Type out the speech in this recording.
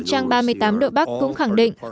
trang ba mươi tám độ bắc cũng khẳng định